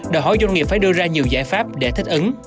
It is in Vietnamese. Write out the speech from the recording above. đòi hỏi doanh nghiệp phải đưa ra nhiều giải pháp để thích ứng